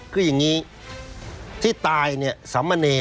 คืออย่างนี้ที่ตายเนี่ยสำมันเนเนี่ย